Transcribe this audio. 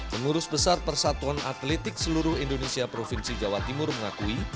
pengurus besar persatuan atletik seluruh indonesia provinsi jawa timur mengakui